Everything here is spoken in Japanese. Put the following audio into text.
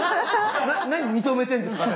何認めてんですか